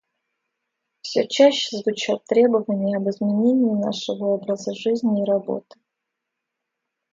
Все чаще звучат требования об изменении нашего образа жизни и работы.